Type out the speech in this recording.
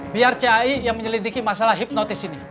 biar cai yang menyelidiki masalah hipnotis ini